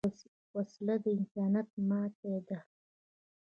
وسله د انسانیت ماتې ده